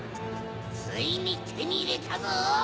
ついにてにいれたぞ！